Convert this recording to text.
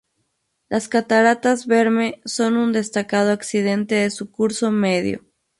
Las cataratas Verme son un destacado accidente de su curso medio.